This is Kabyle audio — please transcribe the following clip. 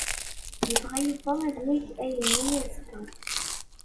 Yebɣa Yuba ad yeg ayen-nni azekka.